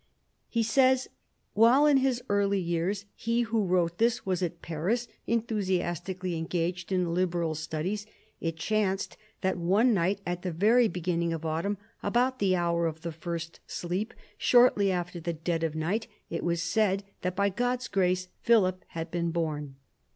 He says :— 16 PHILIP AUGUSTUS chap. "While in his early years, he who wrote this was at Paris, enthusiastically engaged in liberal studies, it chanced that one night at the very beginning of autumn, about the hour of the first sleep, shortly after the dead of night, it was said that by God's grace Philip had been born.